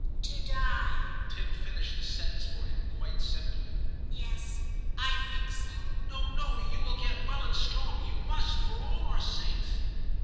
' To die/ Tim finished the sentence for him quite simply. ' Yes, I think so.' 'No, no ; you will get well and strong. You must, for all our sakes.